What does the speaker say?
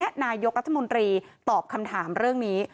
นายกรัฐมนตรีตอบคำถามเรื่องนี้